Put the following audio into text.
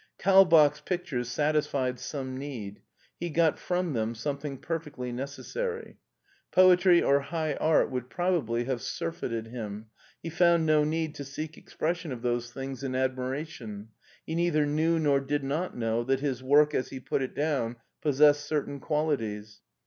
Kaulbach's pictures satisfied some need ; he got from them something perfectly necessary. Poetry or high art would probably have surfeited him, he found no need to seek expression of those things in admiration, he neither knew nor did not know that his work, as he put it down, possessed certain qualities.